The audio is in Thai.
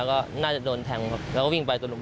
ก็ถูกได้เราก็ไปขึ้นรุมตางดูว่าเอาก็ตอนนั้นเนี่ยเขาวิ่ง